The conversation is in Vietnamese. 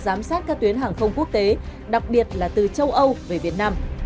giám sát các tuyến hàng không quốc tế đặc biệt là từ châu âu về việt nam